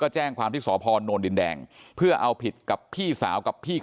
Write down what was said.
แจ้งความที่สพนดินแดงเพื่อเอาผิดกับพี่สาวกับพี่